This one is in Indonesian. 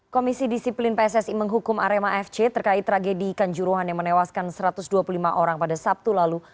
komisi disiplin pssi menghukum arema fc terkait tragedi kanjuruhan yang menewaskan satu ratus dua puluh lima orang pada sabtu lalu